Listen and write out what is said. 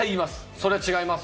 それは違います